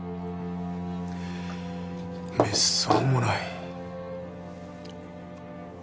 めっそうもない。